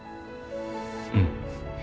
うん。